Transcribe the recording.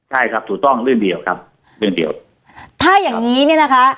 ใช่ครับถูกต้องเรื่องเดียวครับเรื่องเดียวถ้าอย่างงี้เนี่ยนะคะ